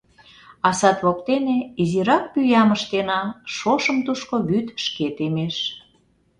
— А сад воктене изирак пӱям ыштена, шошым тушко вӱд шке темеш.